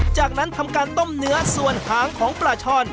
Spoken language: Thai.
จากนั้นทำการต้มเนื้อส่วนหางของปลาช่อน